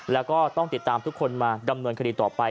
แล้วก็ต้องติดตามทุกคนมาดำเนินคดีต่อไป